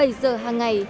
một mươi bảy h hàng ngày